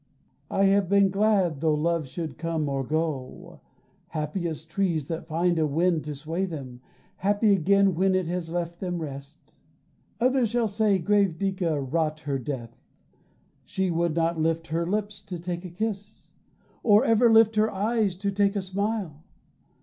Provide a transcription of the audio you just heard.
I have been glad tho' love should come or go, Happy as trees that find a wind to sway them, Happy again when it has left them rest. Others shall say, "Grave Dica wrought her death. She would not lift her lips to take a kiss, Or ever lift her eyes to take a smile.